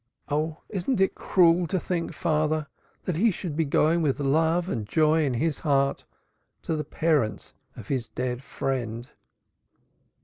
Oh, isn't it cruel to think, father, that he should be going with love and joy in his heart to the parents of his dead friend!"